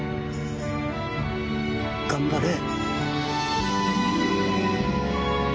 頑張れ。